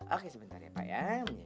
oke sebentar ya pak ya